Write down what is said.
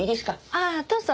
ああどうぞ。